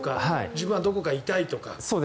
自分はどこか痛いとか。